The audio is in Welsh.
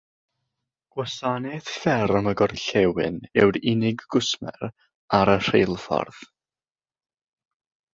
Gwasanaeth Fferm y Gorllewin yw'r unig gwsmer ar y rheilffordd.